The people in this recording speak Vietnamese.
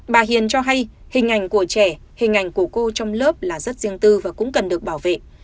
bà hiền cho hay hình ảnh của trẻ hình ảnh của cô trong lớp là rất riêng tư và cũng cần được bảo vệ